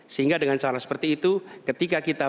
sehingga dengan cara seperti itu ketika kita